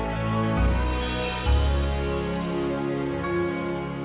keluarga kamu terkena musibah